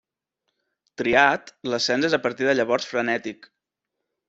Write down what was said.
Triat, l'ascens és a partir de llavors frenètic.